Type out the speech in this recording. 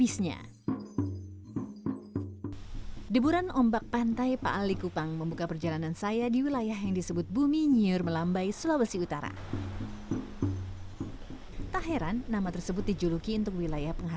sampai jumpa di video selanjutnya